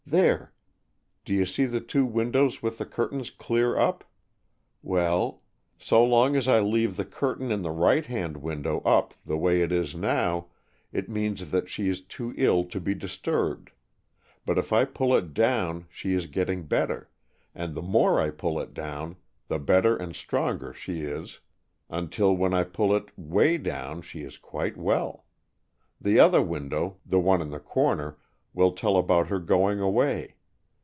There, do you see the two windows with the curtains clear up? Well, so long as I leave the curtain in the right hand window up the way it is now, it means that she is too ill to be disturbed, but if I pull it down she is getting better, and the more I pull it down, the better and stronger she is until when I pull it way down she is quite well. The other window, the one in the corner, will tell about her going away.